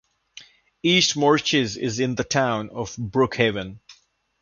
East Moriches is in the town of Brookhaven.